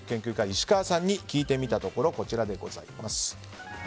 石川さんに聞いてみたところこちらでございます。